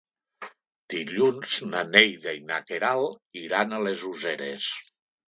Dilluns na Neida i na Queralt iran a les Useres.